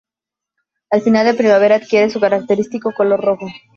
A final de primavera adquiere su característico color rojo.